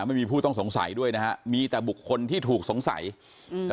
ไม่มีผู้ต้องสงสัยด้วยนะฮะมีแต่บุคคลที่ถูกสงสัยอืม